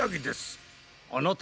あなたは？